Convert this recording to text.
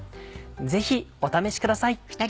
ぜひお試しください。